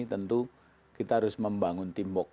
tentu kita harus membangun teamwork